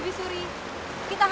kau mau milih aku